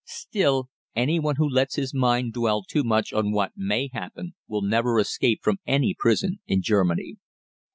Still, any one who lets his mind dwell too much on what may happen will never escape from any prison in Germany.